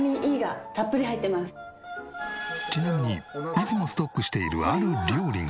ちなみにいつもストックしているある料理が。